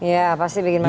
ya pasti bikin macet